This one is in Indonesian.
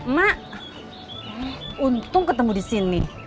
mak untung ketemu disini